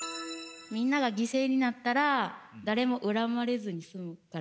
みんなが犠牲になったら誰も恨まれずに済むから。